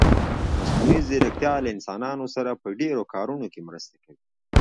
مصنوعي ځيرکتيا له انسانانو سره په ډېرو کارونه کې مرسته کوي.